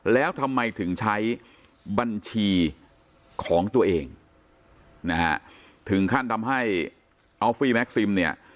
แล้วทำไมถึงใช้บัญชีของตัวเองนะฮะถึงขั้นทำให้ออฟฟี่แม็กซิมเนี่ย